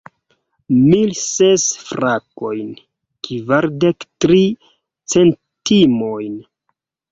Mil ses frankojn, kvardek tri centimojn.